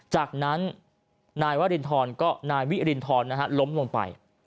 จากนั้นนายวิรินทรล้มลงไป